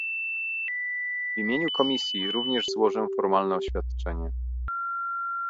W imieniu Komisji również złożę formalne oświadczenie